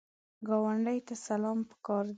ګاونډي ته سلام پکار دی